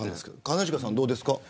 兼近さんどうですか。